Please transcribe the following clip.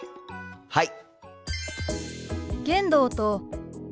はい！